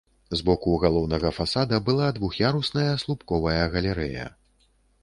З боку галоўнага фасада была двух'ярусная слупковая галерэя.